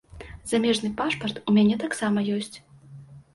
Замежны пашпарт у мяне таксама ёсць.